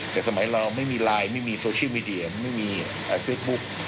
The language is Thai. แต่สมัยเราไม่มีไลน์ไม่มีโซเชียลมีเดียไม่มีเฟซบุ๊ก